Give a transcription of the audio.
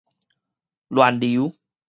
亂流